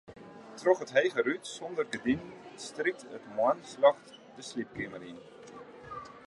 Troch it hege rút sûnder gerdinen strykt it moarnsljocht de sliepkeamer yn.